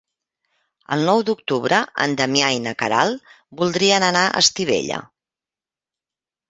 El nou d'octubre en Damià i na Queralt voldrien anar a Estivella.